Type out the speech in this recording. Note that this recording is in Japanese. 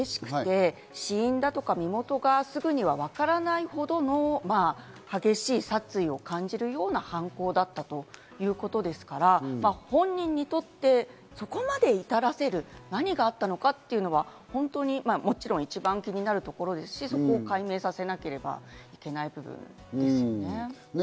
しかも遺体の損傷が激しくて、死因だとか身元がすぐにはわからないほどの激しい殺意を感じるような犯行だったということですから、本人にとってそこまで至らせる何があったのかというのは、もちろん一番気になるところですし、そこ解明させなければいけない部分ですよね。